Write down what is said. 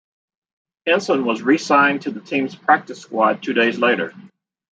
Henson was re-signed to the team's practice squad two days later.